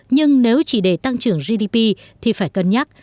nhưng nếu chỉ để tăng trưởng gdp thì phải cân nhắc